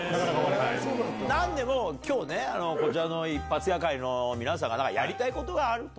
なんでもきょうね、こちらの一発屋会の皆さんが、やりたいことがあると。